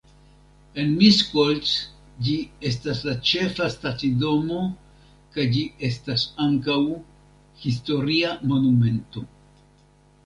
En Miskolc ĝi estas la ĉefa stacidomo kaj ĝi estas ankaŭ historia monumento.